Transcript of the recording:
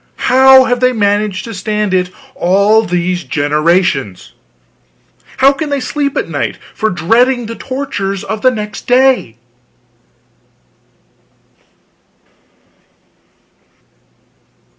How have they managed to stand it all these generations? How can they sleep at night for dreading the tortures of next day?